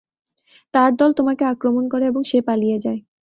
তার দল তোমাকে আক্রমণ করে এবং সে পালিয়ে যায়।